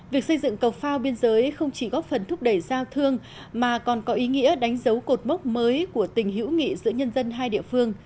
việc xây dựng cầu phao biên giới không chỉ góp phần thúc đẩy giao thương mà còn có ý nghĩa đánh dấu cột mốc mới của tình hữu nghị giữa nhân dân hai địa phương